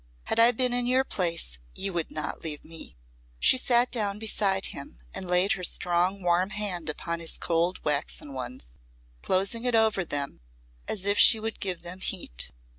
Had I been in your place you would not leave me." She sat down beside him and laid her strong warm hand upon his cold waxen ones, closing it over them as if she would give them heat.